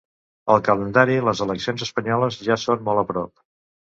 Al calendari les eleccions espanyoles ja són molt a prop.